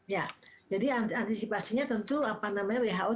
ya jadi antisipasinya tentu apa namanya who itu merekomendasi pemberian covid sembilan belas